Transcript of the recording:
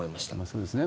そうですね。